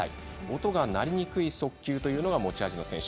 音が鳴りにくい速球が持ち味の選手。